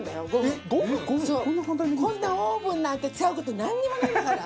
平野：こんなオーブンなんて使う事、なんにもないんだから。